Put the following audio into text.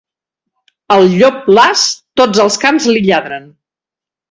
Al llop las, tots els cans li lladren.